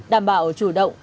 đảm bảo chủ động